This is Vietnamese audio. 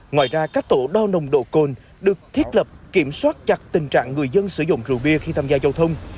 ngoài ra các tổ đo nồng độ cồn được thiết lập kiểm soát chặt tình trạng người dân sử dụng rượu bia khi tham gia giao thông